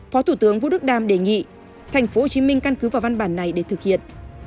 phó thủ tướng vũ đức đam đề nghị thành phố hồ chí minh căn cứ vào văn bản này để thực hiện